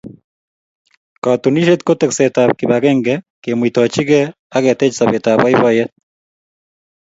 Katunisyet ko tekseetab kibagenge, kemuitochige ak ketech sobeetab boiboiyet.